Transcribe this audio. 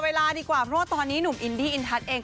เวลาดีกว่าเพราะว่าตอนนี้หนุ่มอินดี้อินทัศน์เอง